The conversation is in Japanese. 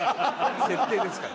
設定ですから。